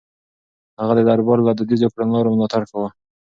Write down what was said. هغه د دربار له دوديزو کړنلارو ملاتړ کاوه.